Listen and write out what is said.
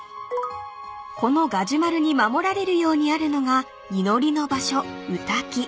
［このガジュマルに守られるようにあるのが祈りの場所御嶽］